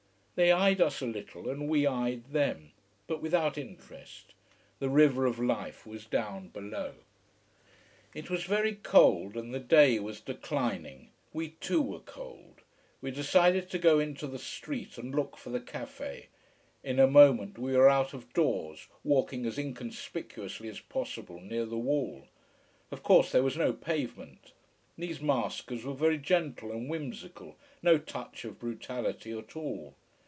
They eyed us a little and we eyed them. But without interest. The river of life was down below. It was very cold and the day was declining. We too were cold. We decided to go into the street and look for the café. In a moment we were out of doors, walking as inconspicuously as possible near the wall. Of course there was no pavement. These maskers were very gentle and whimsical, no touch of brutality at all.